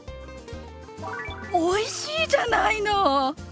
おいしいじゃないの！